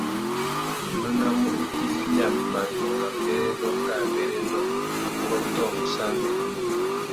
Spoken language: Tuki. Nônamú itifiya, mbanu râ mbérénô kā abérénô, ngu ôtōmú sā mbérénô.